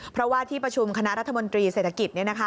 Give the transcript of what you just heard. เพราะว่าที่ประชุมคณะรัฐมนตรีเศรษฐกิจ